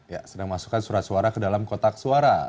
ya sedang masukkan surat suara ke dalam kotak suara